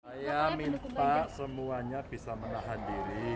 saya minta semuanya bisa menahan diri